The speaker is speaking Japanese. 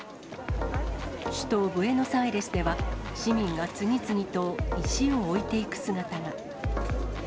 首都ブエノスアイレスでは、市民が次々と石を置いていく姿が。